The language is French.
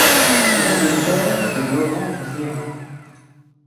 Il est le père de Laurent Viérin.